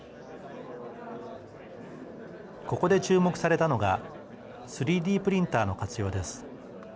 ここで注目されたのが３Ｄプリンターの活用です。